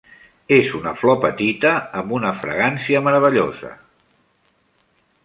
És una flor petita amb una fragància meravellosa.